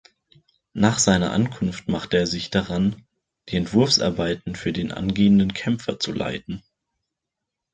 Nach seiner Ankunft machte er sich daran, die Entwurfsarbeiten für den angehenden Kämpfer zu leiten.